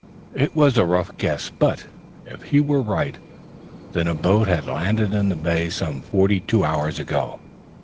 It was a rough guess, but, if he were right, then a boat had landed in that bay some forty two hours ago.